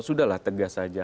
sudah lah tegas saja